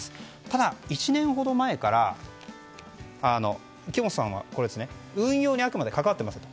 ただ、１年ほど前から木本さんは運用に関わっていません。